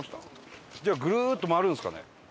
じゃあグルッと回るんですかね？